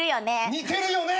似てるよね！